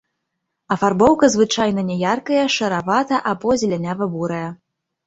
Афарбоўка звычайна няяркая шаравата- або зелянява-бурая.